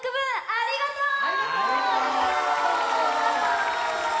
ありがとう！